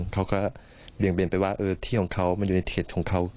เขาก็เบี่ยงเบนไปว่าที่ของเขามันอยู่ในเขตของเขา